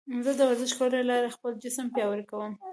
زه د ورزش کولو له لارې خپل جسم پیاوړی کوم.